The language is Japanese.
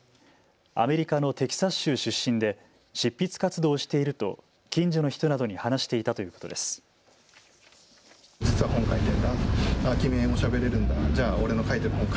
アメリカのテキサス州出身で執筆活動をしていると近所の人などに話していたということです。